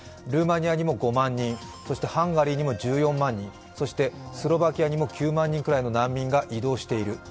ルーマニアも５万人、ハンガリーにも１４万人、そしてスロバキアにも９万人ぐらいの難民が移動している。